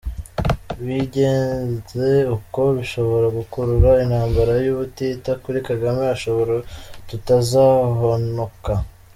Bigenze uko, bishobora gukurura intambara y’ubutita kuri Kagame, ashobora tutazahonoka.